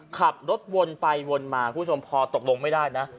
ขับรถวนไปวนมาพอตกลงไม่ได้นะ